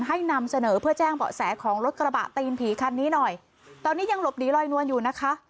นำเสนอเพื่อแจ้งเบาะแสของรถกระบะตีนผีคันนี้หน่อยตอนนี้ยังหลบหนีลอยนวลอยู่นะคะ